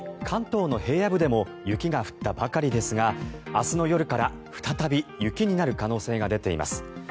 関東の平野部でも雪が降ったばかりですが明日の夜から再び雪になる可能性が出ています。